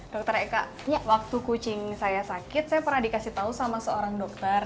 dokter eka waktu kucing saya sakit saya pernah dikasih tahu sama seorang dokter